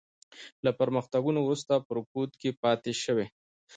له پرمختګونو وروسته او په رکود کې پاتې شوې.